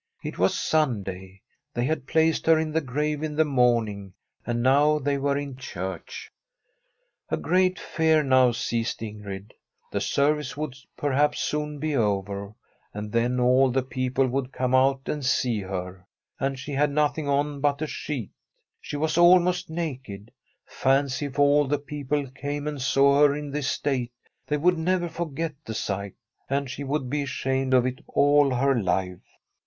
It was Sunday; they had placed her in the grave in the morn ing, and now they were in church. A great fear now seized Ingrid. The service The STORY of a COUNTRY HOUSE would, perhaps, soon be over, and then all the people would come out and see her. And she had nothing on but a sheet! She was almost naked. Fancy, if all these people came and saw her in this state! They would never forget the sight. And she would be ashamed of it all her life.